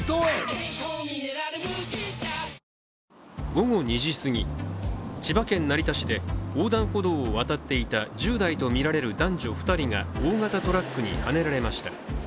午後２時すぎ、千葉県成田市で横断歩道を渡っていた１０代とみられる男女２人が大型トラックにはねられました。